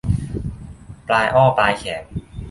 ปลายอ้อปลายแขม